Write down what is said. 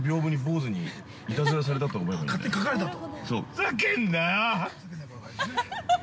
ふざけんなよー。